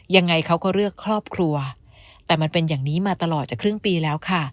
ยังไงเขาก็เลือกครอบครัวแต่มันเป็นอย่างนี้มาตลอดจะครึ่งปีแล้วค่ะ